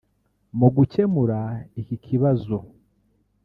Mu gucyemura iki kibazo